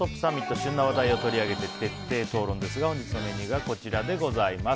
旬な話題を取り上げて徹底討論ですが本日のメニューがこちらです。